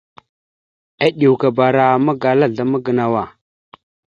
Eɗʉkabara magala azlam a gənow a.